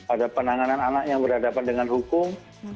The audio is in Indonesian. ada penanganan anak yang berhadapan dengan hukum